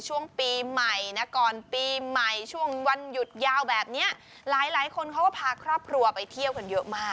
ช่วงปีใหม่นะก่อนปีใหม่ช่วงวันหยุดยาวแบบนี้หลายคนเขาก็พาครอบครัวไปเที่ยวกันเยอะมาก